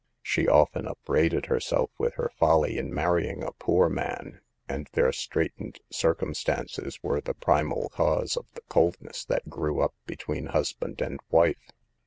She often upbraided herself with her folly in marrying a poor man, and their straitened circumstances were the primal cause of the coldness that grew up between husband and wife.